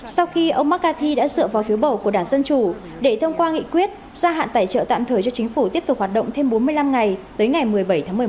sau khi ông mccarthy đã dựa vào phiếu bầu của đảng dân chủ để thông qua nghị quyết gia hạn tài trợ tạm thời cho chính phủ tiếp tục hoạt động thêm bốn mươi năm ngày tới ngày một mươi bảy tháng một mươi một